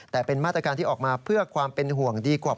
แต่เป็นมาตรการที่ออกมาเพื่อความเป็นห่วงดีกว่า